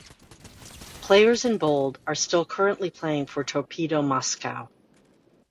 Players in bold are still currently playing for Torpedo Moscow.